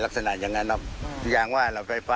ลักษณะอย่างนั้นรับ